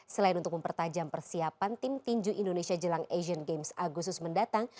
selain untuk mempertajam persiapan tim tinju indonesia jelang asian games agustus mendatang